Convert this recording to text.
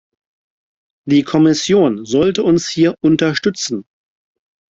Die Kommission sollte uns hier unterstützen.